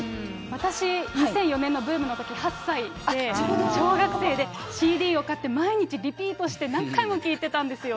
私２００４年のブームのとき８歳で、小学生で、ＣＤを買って、毎日リピートして何回も聞いてたんですよ。